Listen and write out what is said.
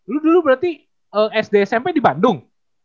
lu dulu berarti sd smp di bandung